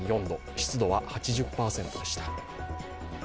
湿度は８０％でした。